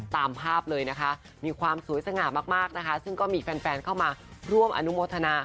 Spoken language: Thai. ตามภาพเลยนะคะมีความสวยสง่ามากนะคะซึ่งก็มีแฟนเข้ามาร่วมอนุโมทนา